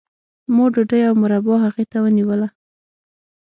ما ډوډۍ او مربا هغې ته ونیوله